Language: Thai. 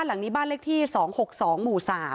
หลังนี้บ้านเลขที่๒๖๒หมู่๓